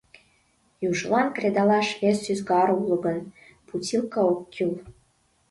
Южылан кредалаш вес ӱзгар уло гын, путилка ок кӱл.